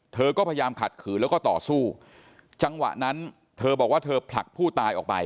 เธอก็พยายามขัดขืนแล้วก็ต่อสู้จังหวะนั้นเธอบอกว่าเธอผลักผู้ตายออกไป